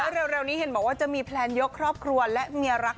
เร็วนี้เห็นบอกว่าจะมีแพลนยกครอบครัวและเมียรัก